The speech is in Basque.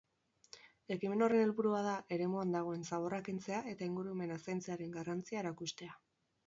Ekimen horren helburua da eremuan dagoen zaborra kentzea eta ingurumena zaintzearen garrantzia erakustea.